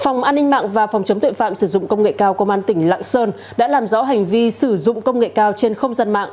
phòng an ninh mạng và phòng chống tội phạm sử dụng công nghệ cao công an tỉnh lạng sơn đã làm rõ hành vi sử dụng công nghệ cao trên không gian mạng